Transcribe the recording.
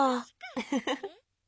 ウフフフ。